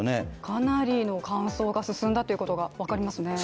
かなりの感想が進んだということが分かりますね。